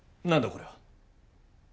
これは。